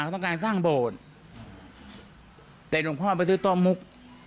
เขาต้องการสร้างโบสถ์หลวงพ่อออกไปซื้อต้อมุก